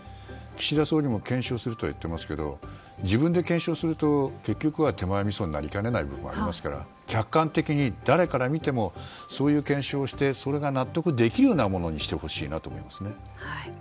岸田総理も検証するとは言ってますけど自分で検証すると結局は手前味噌になりかねない部分がありますから客観的に誰から見てもそういう検証をしてそれが納得できるようなものにしてほしいと思いますね。